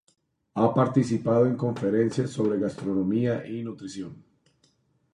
Ha participado en conferencias sobre gastronomía y nutrición.